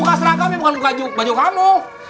buka seragam ya bukan baju kamu